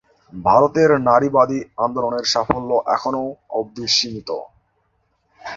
ভারতের নারীবাদী আন্দোলনের সাফল্য এখনও অবধি সীমিত।